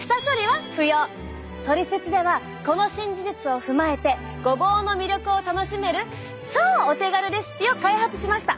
トリセツではこの新事実を踏まえてごぼうの魅力を楽しめる超お手軽レシピを開発しました！